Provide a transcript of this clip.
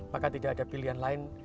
maka tidak ada pilihan lain